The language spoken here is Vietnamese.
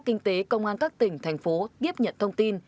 cảnh sát kinh tế công an các tỉnh thành phố tiếp nhận thông tin